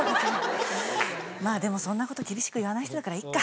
まぁでもそんなこと厳しく言わない人だからいっか。